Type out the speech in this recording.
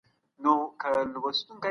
آيا رښتيني عاجزي د انسان د بريا راز دی؟